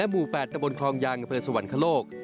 อำเภอสวรรค์คลโลก